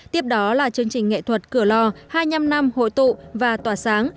tiếp đó là chương trình nghệ thuật cửa lò hai mươi năm năm hội tụ và tỏa sáng